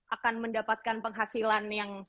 akan mendapatkan penghasilan yang